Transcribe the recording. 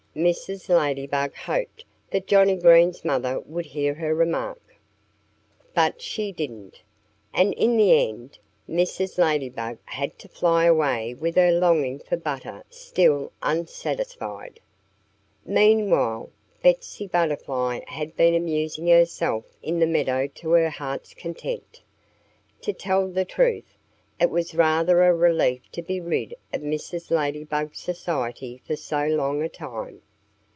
Mrs. Ladybug hoped that Johnnie Green's mother would hear her remark. But she didn't. And in the end Mrs. Ladybug had to fly away with her longing for butter still unsatisfied. Meanwhile Betsy Butterfly had been amusing herself in the meadow to her heart's content. To tell the truth, it was rather a relief to be rid of Mrs. Ladybug's society for so long a time.